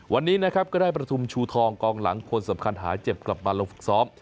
วันนี้นะครับก็ได้ประทุมชูทองกองหลังคนสำคัญหายเจ็บกลับมาลงฝึกซ้อม